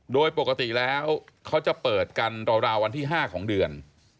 โดยปกติแล้วเขาจะเปิดกันราววันที่๕ของเดือน